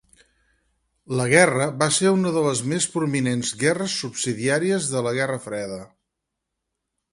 La guerra va ser una de les més prominents guerres subsidiàries de la Guerra Freda.